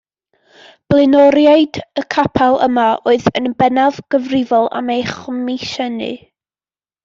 Blaenoriaid y capel yma oedd yn bennaf gyfrifol am ei chomisiynu.